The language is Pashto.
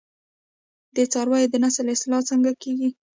د څارویو د نسل اصلاح څنګه کیږي؟